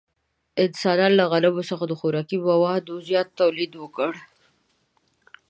انسانانو له غنمو څخه د خوراکي موادو زیات تولید وکړ.